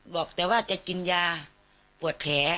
บอกแต่ว่าจะกินยาเปรียบปวดแผล